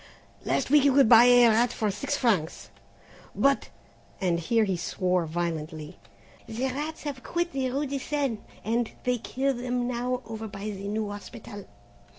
"Last week you could buy a rat for six francs, but," and here he swore vilely, "the rats have quit the rue de Seine and they kill them now over by the new hospital.